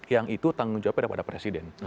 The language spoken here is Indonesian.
yang itu tanggung jawabnya daripada presiden